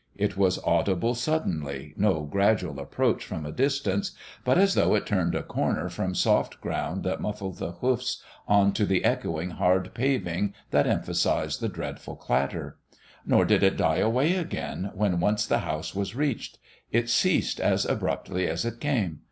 It was audible suddenly, no gradual approach from a distance, but as though it turned a corner from soft ground that muffled the hoofs, on to the echoing, hard paving that emphasised the dreadful clatter. Nor did it die away again when once the house was reached. It ceased as abruptly as it came.